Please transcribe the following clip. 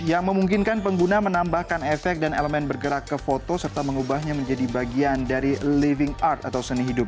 yang memungkinkan pengguna menambahkan efek dan elemen bergerak ke foto serta mengubahnya menjadi bagian dari living art atau seni hidup